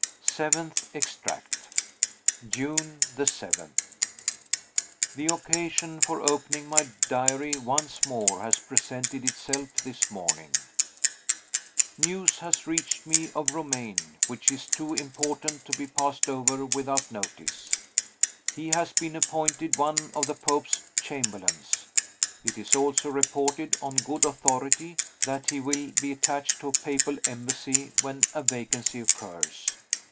Seventh Extract. June 7. The occasion for opening my diary once more has presented itself this morning. News has reached me of Romayne, which is too important to be passed over without notice. He has been appointed one of the Pope's Chamberlains. It is also reported, on good authority, that he will be attached to a Papal embassy when a vacancy occurs.